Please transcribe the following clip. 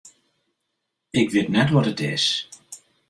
Ik wit net wat it is.